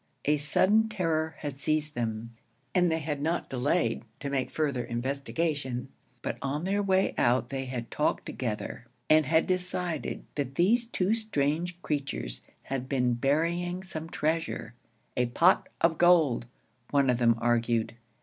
A sudden terror had seized them, and they had not delayed to make further investigation; but on the way out they had talked together and had decided that these two strange creatures had been burying some treasure: 'a pot of gold,' one of them argued.